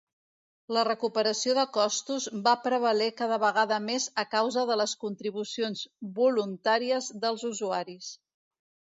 La recuperació de costos va prevaler cada vegada més a causa de les contribucions "voluntàries" dels usuaris.